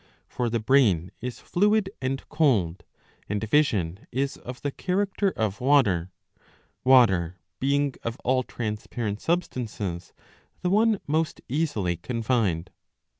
For the brain is fluid ^* and cold, and vision is of the character of water,'^ water being of all transparent substances the one most easily confined.'